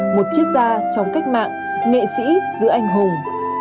một chiếc da trong cách mạng nghệ sĩ giữa anh hùng